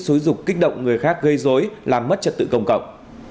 xúi dục kích động người khác gây dối làm mất trật tự công cộng